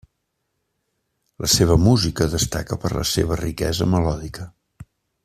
La seva música destaca per la seva riquesa melòdica.